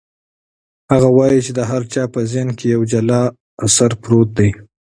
هغه وایي چې د هر چا په ذهن کې یو جلا اثر پروت دی.